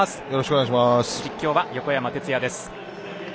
実況は横山哲也です。